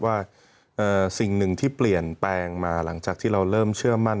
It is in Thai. ว่าสิ่งหนึ่งที่เปลี่ยนแปลงมาหลังจากที่เราเริ่มเชื่อมั่น